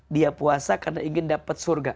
dia puasa karena ingin dapat surga